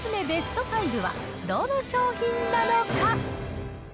ベスト５は、どの商品なのか。